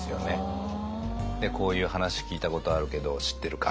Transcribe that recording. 「こういう話聞いたことあるけど知ってるか？」